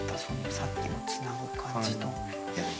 さっきのつなぐ感じと。